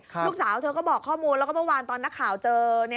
ลูกสาวเธอก็บอกข้อมูลแล้วก็เมื่อวานตอนนักข่าวเจอ